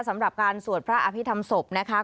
สำหรับการสวดพระอภิษฐรรมศพนะคะ